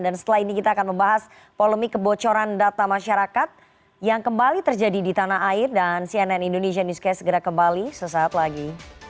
dan setelah ini kita akan membahas polemik kebocoran data masyarakat yang kembali terjadi di tanah air dan cnn indonesia newscast segera kembali sesaat lagi